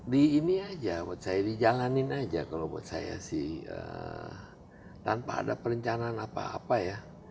di ini aja buat saya dijalanin aja kalau buat saya sih tanpa ada perencanaan apa apa ya